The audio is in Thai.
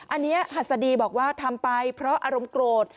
อันนี้หัสดีบอกว่าทำไปเพราะอารมณ์โกรธ